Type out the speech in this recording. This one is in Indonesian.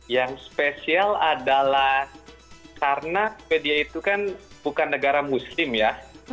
yang spesial adalah karena spedia itu kan bukan negara muslim ya